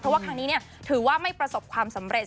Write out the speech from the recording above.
เพราะว่าครั้งนี้ถือว่าไม่ประสบความสำเร็จ